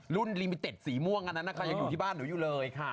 ลิมิเต็ดสีม่วงอันนั้นนะคะยังอยู่ที่บ้านหนูอยู่เลยค่ะ